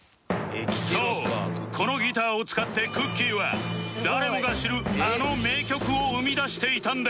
そうこのギターを使ってくっきー！は誰もが知るあの名曲を生み出していたんです